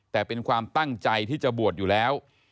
แต่เป็นความตั้งใจที่จะบวชอยู่แล้ว